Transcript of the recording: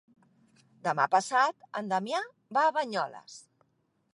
Demà passat en Damià va a Banyoles.